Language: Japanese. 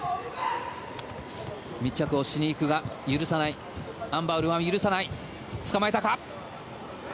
密着しに行くがアン・バウルは許さないつかまえたか。